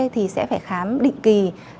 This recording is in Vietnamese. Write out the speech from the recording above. thì sẽ phải khám định kỳ